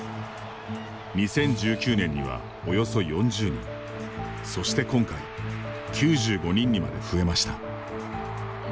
２０１９年には、およそ４０人そして今回９５人にまで増えました。